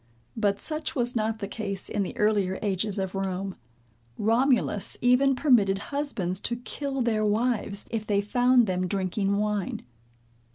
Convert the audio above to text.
But such was not the case in the earlier ages of Rome. Romulus even permitted husbands to kill their wives, if they found them drinking wine.